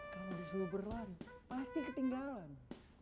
kalau disuruh berlari pasti ketinggalan